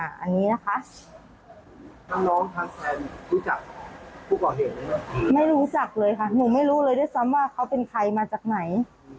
อันนี้นะคะทั้งน้องทั้งแฟนรู้จักผู้ก่อเหตุไหมครับไม่รู้จักเลยค่ะหนูไม่รู้เลยด้วยซ้ำว่าเขาเป็นใครมาจากไหน